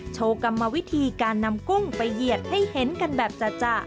กรรมวิธีการนำกุ้งไปเหยียดให้เห็นกันแบบจ่ะ